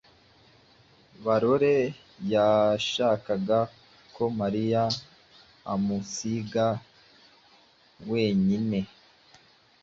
Barore yashakaga ko Mariya amusiga weine.